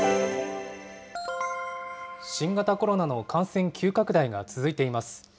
新型コロナの感染急拡大が続いています。